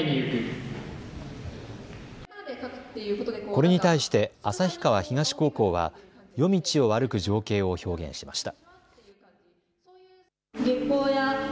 これに対して旭川東高校は夜道を歩く情景を表現しました。